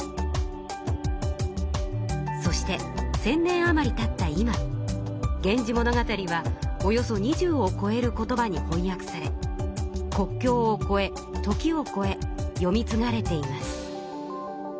そして１，０００年余りたった今「源氏物語」はおよそ２０をこえる言葉にほんやくされ国境をこえ時をこえ読みつがれています。